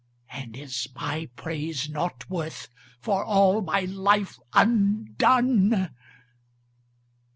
"And is my praise nought worth for all my life undone?"